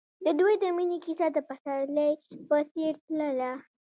د دوی د مینې کیسه د پسرلی په څېر تلله.